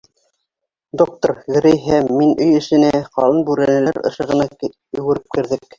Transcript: Доктор, Грей һәм мин өй эсенә, ҡалын бүрәнәләр ышығына йүгереп керҙек.